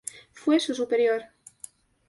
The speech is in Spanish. Fue su superior.